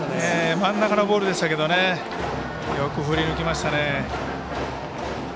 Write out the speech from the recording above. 真ん中のボールでしたがよく振り抜きましたね。